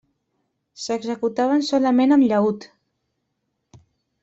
S'executaven solament amb llaüt.